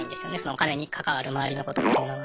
お金に関わるまわりのことっていうのは。